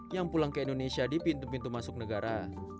yang pulang ke indonesia di pintu pintu masuk negara